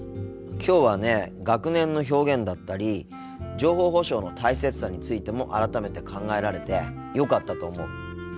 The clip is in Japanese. きょうはね学年の表現だったり情報保障の大切さについても改めて考えられてよかったと思う。